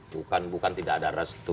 bukan bukan tidak ada restu